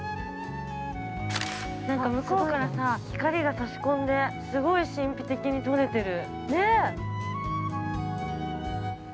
◆向こうから光が差し込んですごい神秘的に撮れてる。